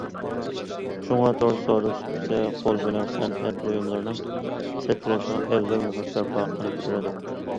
شۇڭا، تور سودا سۇپىسى قول ھۈنەر- سەنئەت بۇيۇملىرىنىڭ سېتىلىشىغا ئەۋزەل مۇھىت بەرپا قىلىپ بېرىدۇ.